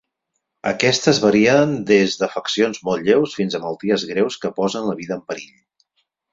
Aquestes varien des d'afeccions molt lleus fins a malalties greus que posen la vida en perill.